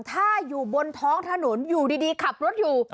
ถ้าอยู่บนท้องถนนอยู่ดีขับรถอยู่